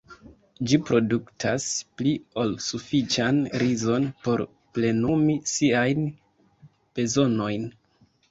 Ĝi produktas pli ol sufiĉan rizon por plenumi siajn bezonojn.